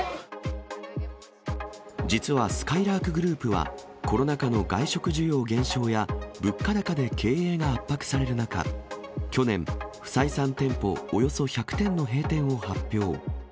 実はすかいらーくグループは、コロナ禍の外食需要減少や、物価高で経営が圧迫される中、去年、不採算店舗およそ１００店の閉店を発表。